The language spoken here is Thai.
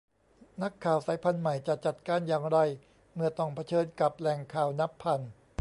นักข่าวสายพันธุ์ใหม่จะจัดการอย่างไรเมื่อต้องเผชิญกับแหล่งข่าวนับพัน